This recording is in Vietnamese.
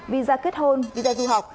visa kết hôn visa du học